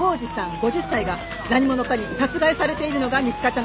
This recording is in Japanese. ５０歳が何者かに殺害されているのが見つかったのです」